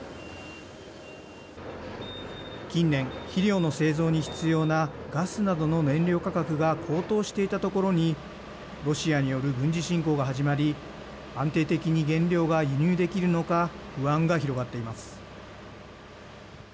近年、肥料の製造に必要なガスなどの燃料価格が高騰していたところにロシアによる軍事侵攻が始まり安定的に原料が輸入できるのか不安が広がっています。